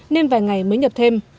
nên vài ngày mới nhập thêm